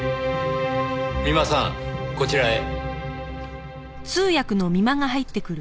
美間さんこちらへ。